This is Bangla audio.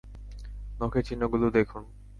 নখের চিহ্নগুলো দেখুন।